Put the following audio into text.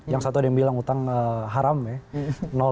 yang satu ada yang bilang utang haram ya